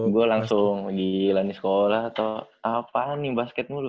gue langsung gila nih sekolah tau apaan nih basket mulu